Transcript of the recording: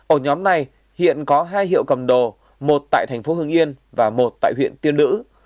ổ nhóm này hiện có hai hiệu cầm đồ một tại thành phố hưng yên và một tại huyện tiên lữ